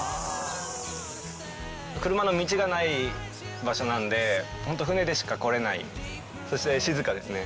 車の道がない場所なんで、本当船でしか来れない、そして静かですね。